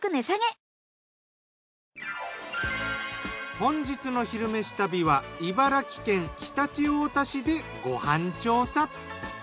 本日の「昼めし旅」は茨城県常陸太田市でご飯調査。